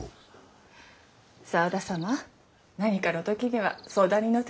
沢田様何かのときには相談に乗ってくださいまし。